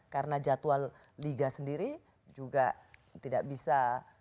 karena jadwal liga sendiri juga tidak bisa